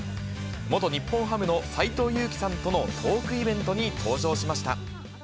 元日本ハムの斎藤佑樹さんとのトークイベントに登場しました。